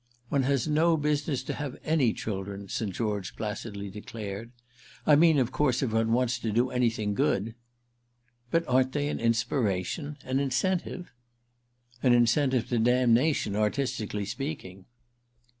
"One has no business to have any children," St. George placidly declared. "I mean of course if one wants to do anything good." "But aren't they an inspiration—an incentive?" "An incentive to damnation, artistically speaking."